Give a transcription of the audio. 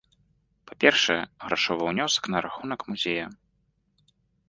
Па-першае, грашовы ўнёсак на рахунак музея.